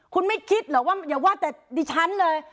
คุณไม่คิดเหรอว่าแต่ดิฉันเลย